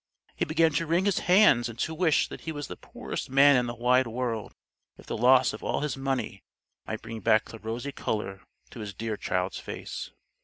He began to wring his hands and to wish that he was the poorest man in the wide world, if the loss of all his money might bring back the rosy color to his dear child's face.